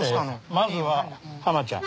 まずはハマちゃん。